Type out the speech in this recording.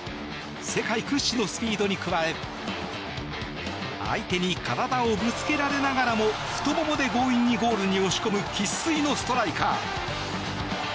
世界屈指のスピードに加え相手に体をぶつけられながらも太ももで強引にゴールに押し込む生粋のストライカー。